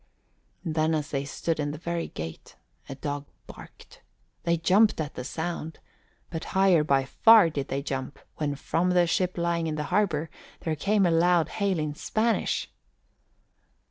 Then as they stood in the very gate a dog barked. They jumped at the sound, but higher by far did they jump when from the ship lying in the harbour there came a loud hail in Spanish.